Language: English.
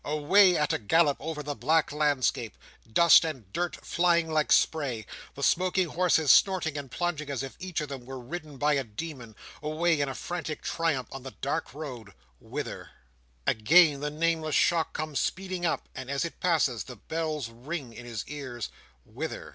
away at a gallop over the black landscape; dust and dirt flying like spray, the smoking horses snorting and plunging as if each of them were ridden by a demon, away in a frantic triumph on the dark road—whither? Again the nameless shock comes speeding up, and as it passes, the bells ring in his ears "whither?"